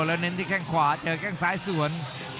แล้วเน้นที่แข้งขวาเจอแข้งซ้ายสวน